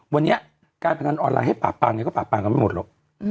วันนี้การพนันออนไลน์ให้ปราบปางเนี่ยก็ปราบปางกันไม่หมดหรอก